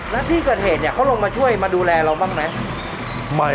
นะพี่บริเวณกทเดนเขาลงมาดูแลเราบ้างไหม